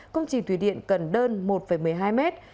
công trình thủy điện cần đơn một một mươi hai mét